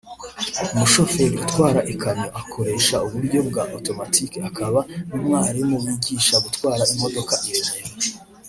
umushoferi utwara ikamyo ikoresha uburyo bwa automatic akaba n’umwarimu wigisha gutwara imodoka i Remera